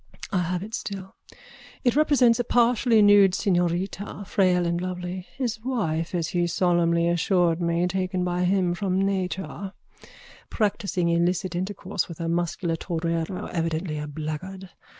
I have it still. It represents a partially nude señorita, frail and lovely (his wife, as he solemnly assured me, taken by him from nature), practising illicit intercourse with a muscular torero, evidently a blackguard.